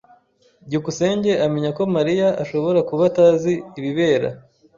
byukusenge amenya ko Mariya ashobora kuba atazi ibibera.